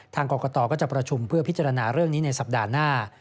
ทางกรกตก็จะประชุมเพื่อพิจารณาเรื่องนี้ในสัปดาห์หน้า